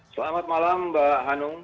selamat malam mbak hanung